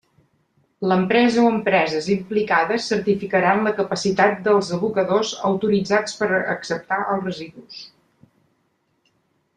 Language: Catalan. L'empresa o empreses implicades certificaran la capacitat dels abocadors autoritzats per a acceptar els residus.